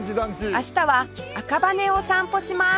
明日は赤羽を散歩します